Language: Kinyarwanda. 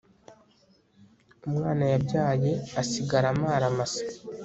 umwana yabyaye asigara amara masa